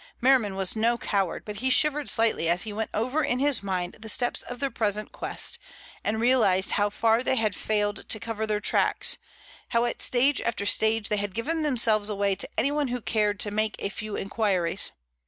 Merriman was no coward, but he shivered slightly as he went over in his mind the steps of their present quest, and realized how far they had failed to cover their traces, how at stage after stage they had given themselves away to anyone who cared to make a few inquiries.